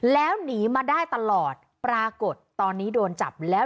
แล้วหนีมาได้ตลอดปรากฏตอนนี้โดนจับแล้ว